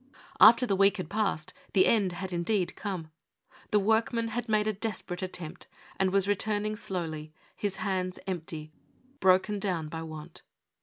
After the week had passed, the end had, indeed, come. The workman had made a desperate attempt, and was returning slowly, his hands empty, broken down by want.